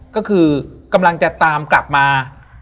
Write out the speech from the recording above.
ก็คือกำลังจะตามกลับมา